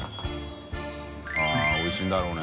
△おいしいんだろうね。